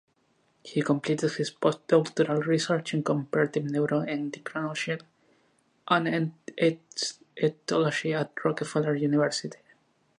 He completed his postdoctoral research in comparative neuroendocrinology and ethology at Rockefeller University.